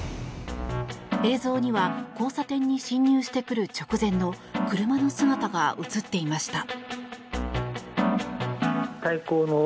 映像には交差点に進入してくる直前の車の姿が映っていました。